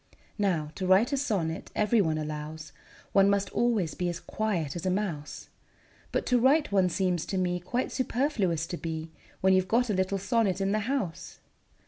Now, to write a sonnet, every one allows, One must always be as quiet as a mouse; But to write one seems to me Quite superfluous to be, When you 've got a little sonnet in the house.